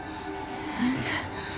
先生？